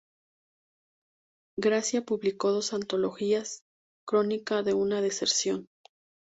Gracia publicó dos antologías "Crónica de una deserción.